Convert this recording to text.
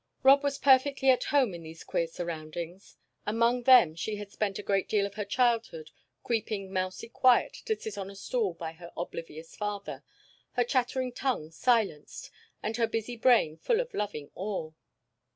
Rob was perfectly at home in these queer surroundings; among them she had spent a great deal of her childhood, creeping, "mousy quiet," to sit on a stool by her oblivious father, her chattering tongue silenced and her busy brain full of loving awe.